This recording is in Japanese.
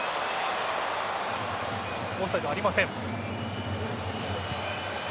オフサイドありません。